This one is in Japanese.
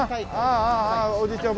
ああああおじいちゃん